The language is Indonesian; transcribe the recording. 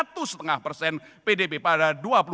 di tengah normalisasi pada dua ribu dua puluh dua